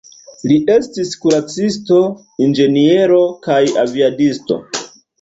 Li estis kuracisto, inĝeniero kaj aviadisto.